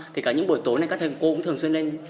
thì cả những buổi tối này các thầy cô cũng thường xuyên lên